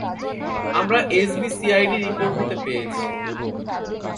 আমরা SB CID report হতে পেয়েছি।